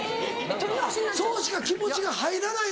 そうしか気持ちが入らないのか？